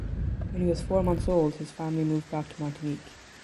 When he was four months old his family moved back to Martinique.